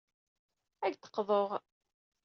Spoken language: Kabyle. Ad ak-d-qḍuɣ.